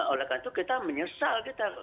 oleh karena itu kita menyesal kita